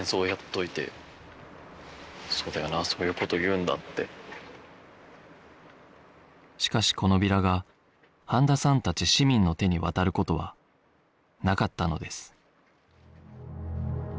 うんちょっとしかしこのビラが飯田さんたち市民の手に渡る事はなかったのです